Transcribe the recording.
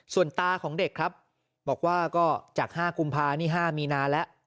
ส่วนตาของเด็กครับบอกว่าก็จาก๕กุมภานี่๕มีนาแล้ว